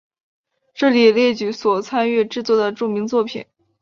这里列举所参与制作的著名作品。